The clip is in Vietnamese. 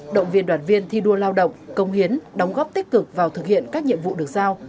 động viên đoàn viên thi đua lao động công hiến đóng góp tích cực vào thực hiện các nhiệm vụ được giao